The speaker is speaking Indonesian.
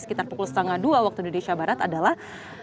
sekitar pukul setengah dua waktu di desa barat adalah